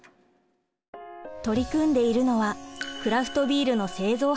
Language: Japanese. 取り組んでいるのはクラフトビールの製造販売。